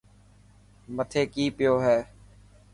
مٿي ڪي پيو هي.